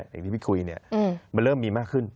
อย่างที่พี่คุยเนี่ยมันเริ่มมีมากขึ้น